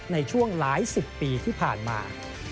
ในช่วงหลายสิบปีที่ผ่านมา